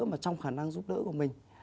mà trong khả năng giúp đỡ của mình